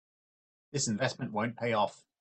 This investment won't pay off.